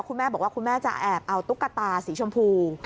คุณแม่บอกว่าคุณแม่จะแอบเอาตุ๊กตาสีชมพู